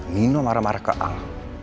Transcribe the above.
nino marah marah ke al